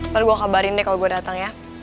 lalu gue kabarin deh kalo gue dateng ya